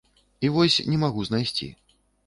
І вось не магу знайсці.